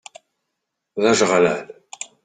D ajeɣlal.